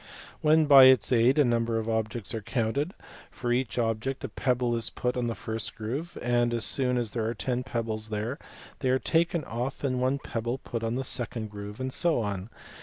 When * by its aid a^ number of objects are counted, for each object a pebble is put on the first groove; and, as soon as there are ten pebbles there, they are taken off and one pebble put on the second groove ; and so on.